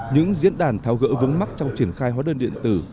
những diễn đàn tháo gỡ vướng mắt trong triển khai hóa đơn điện tử